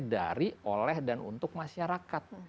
dari oleh dan untuk masyarakat